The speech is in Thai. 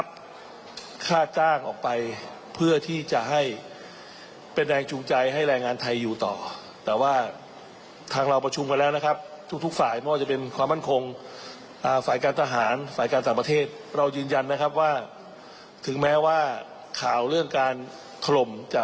ส่วนแรงงานที่กลับมาจากอิสราเอล